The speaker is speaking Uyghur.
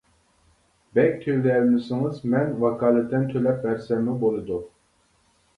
بەك تۆلىيەلمىسىڭىز مەن ۋاكالىتەن تۆلەپ بەرسەممۇ بولىدۇ.